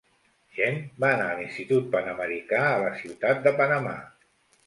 Chen va anar a l"Institut Panamericà a la Ciutat de Panamà.